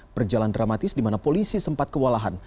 berjalan dramatis di mana polisi sempat kewalahan